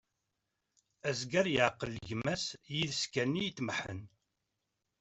Azger yeεqel gma-s, yid-s kan i itmeḥḥen.